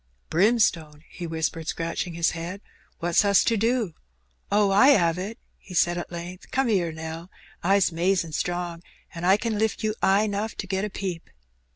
"Brimstone !" he whispered, scratching his head: "what's us to do ? Oh, I 'ave it," he said at length. " Come 'ere, Nell. I's 'mazin' strong, an' I can lift you 'igh 'nough to get a peep."